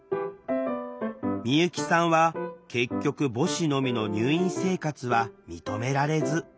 美由紀さんは結局母子のみの入院生活は認められず。